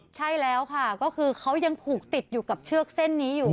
ใช่แล้วค่ะก็คือเขายังผูกติดอยู่กับเชือกเส้นนี้อยู่